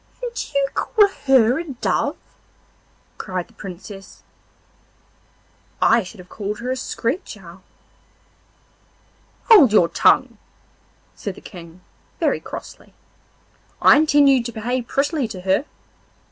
'And you call her a dove?' cried the Princess. 'I should have called her a screech owl.' 'Hold your tongue,' said the King, very crossly. 'I intend you to behave prettily to her.